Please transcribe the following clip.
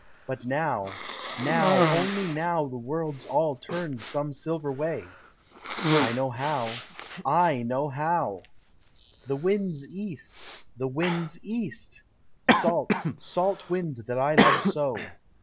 But now now, only Now The world's all turned some silver way; I know how, I know how! The Wind's east, The Wind's east! Salt, salt Wind that I love so.